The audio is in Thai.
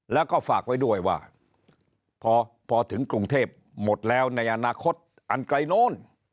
แล้วก็ฝากไว้ด้วยว่าพอถึงกรุงเทพหมดแล้วในอนาคตอันไกลโน้น